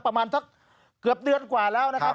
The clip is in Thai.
ประมาณสักเกือบเดือนกว่าแล้วนะครับ